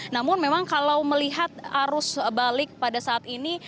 namun memang kalau melihat arus balik pada saat ini